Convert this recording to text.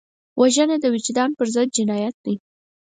وژنه د وجدان پر ضد جنایت دی